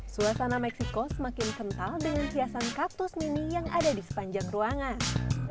suasana meksiko semakin kental dengan hiasan kaktus mini yang ada di sepanjang ruangan